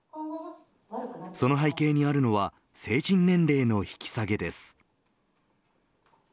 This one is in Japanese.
その背景にあるのは成人年齢の引き下げです。